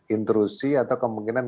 intrusi atau kemungkinan